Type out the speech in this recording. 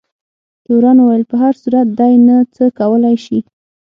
تورن وویل په هر صورت دی نه څه کولای شي.